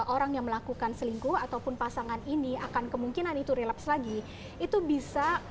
orang yang melakukan selingkuh ataupun pasangan ini akan kemungkinan itu relaps lagi itu bisa